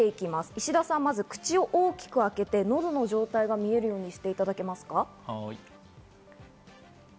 石田さん、まず口を大きくあけて、のどの状態が見えるようにしていただけますか？